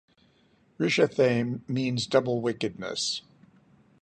'Rishathaim' means 'double-wickedness'.